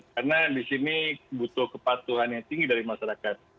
karena di sini butuh kepatuhan yang tinggi dari masyarakat